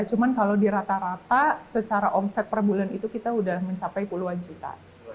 cuma kalau di rata rata secara omset per bulan itu kita sudah mencapai puluhan juta